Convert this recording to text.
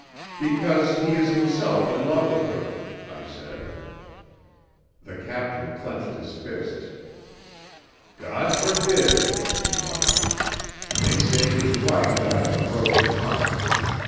"Because he is himself in love with her," I said. The captain clenched his fists. "God forbid!" he muttered. "They say his wife died of a broken heart.